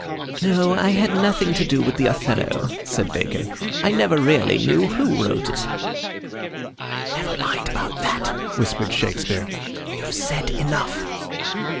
"No. I had nothing to do with the Othello," said Bacon. "I never really knew who wrote it." "Never mind about that," whispered Shakespeare. "You've said enough."